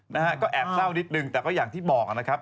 นะฮะก็แอบเศร้านิดนึงแต่ก็อย่างที่บอกนะครับ